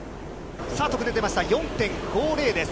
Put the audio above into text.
さあ、得点出ました、４．５０です。